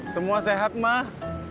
semua sehat mak